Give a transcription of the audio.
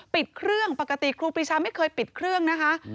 ปิดเครื่องปกติครูปรีชาไม่เคยปิดเครื่องนะคะ